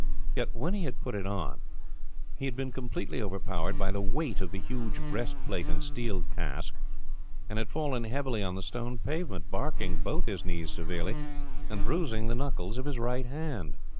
Yet when he had put it on, he had been completely overpowered by the weight of the huge breastplate and steel casque, and had fallen heavily on the stone pavement, barking both his knees severely, and bruising the knuckles of his right hand.